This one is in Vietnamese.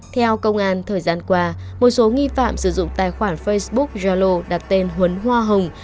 theo công an thời gian qua một số nghi phạm sử dụng tài khoản facebook yalo đặt tên huấn hoa hồng